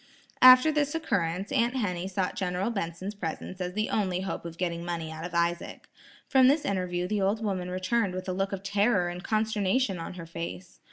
After this occurrence, Aunt Henny sought General Benson's presence as the only hope of getting money out of Isaac. From this interview the old woman returned with a look of terror and consternation on her face.